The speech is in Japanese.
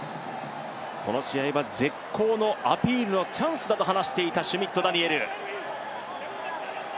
この試合は絶好のアピールのチャンスだと話していたシュミット・ダニエル。